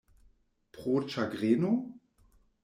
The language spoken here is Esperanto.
Pro ĉagreno?